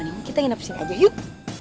mending kita nginep sini aja yuk